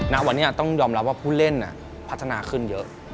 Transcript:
ณวันนี้ต้องยอมรับว่าผู้เล่นพัฒนาขึ้นเยอะ